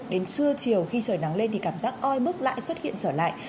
đến trưa chiều khi trời nắng lên thì cảm giác oi bức lại xuất hiện trở lại